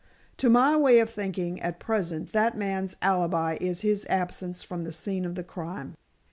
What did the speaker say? To my way of thinking, at present, that man's alibi is his absence from the scene of the crime.